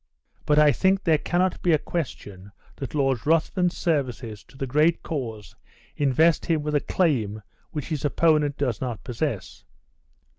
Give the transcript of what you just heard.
But I think there cannot be a question that Lord Ruthven's services to the great cause invest him with a claim which his opponent does not possess.